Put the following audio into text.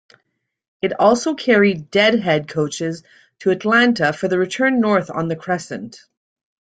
It also carried "deadhead" coaches to Atlanta for the return north on the "Crescent.